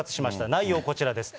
内容、こちらです。